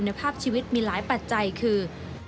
พัฒนาคุณภาพชีวิตมีหลายปัจจัยคือ